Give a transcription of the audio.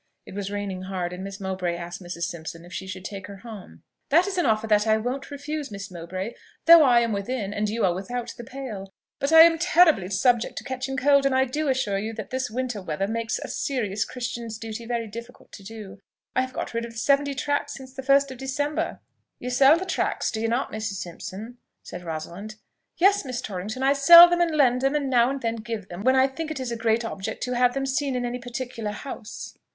It was raining hard, and Miss Mowbray asked Mrs. Simpson if she should take her home. "That is an offer that I won't refuse, Miss Mowbray, though I am within, and you are without, the pale. But I am terribly subject to catching cold; and I do assure you that this winter weather makes a serious Christian's duty very difficult to do, I have got rid of seventy tracts since first of December." "You sell the tracts, do you not, Mrs. Simpson?" said Rosalind. "Yes, Miss Torrington, I sell them and lend them, and now and then give them, when I think it is a great object to have them seen in any particular house."